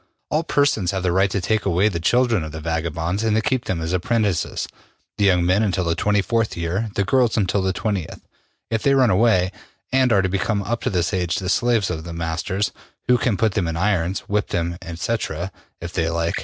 All persons have the right to take away the children of the vagabonds and to keep them as apprentices, the young men until the 24th year, the girls until the 20th. If they run away, they are to become up to this age the slaves of their masters, who can put them in irons, whip them, &c., if they like.